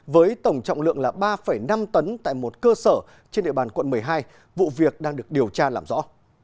với tổng trọng lượng là ba năm tấn tại một cơ sở trên địa bàn quận một mươi hai vụ việc đang được điều tra làm rõ